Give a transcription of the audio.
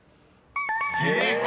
［正解！